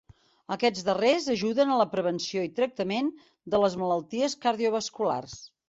Aquests darrers ajuden a la prevenció i tractament de les malalties cardiovasculars.